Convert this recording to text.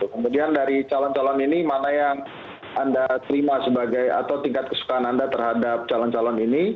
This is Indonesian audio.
kemudian dari calon calon ini mana yang anda terima sebagai atau tingkat kesukaan anda terhadap calon calon ini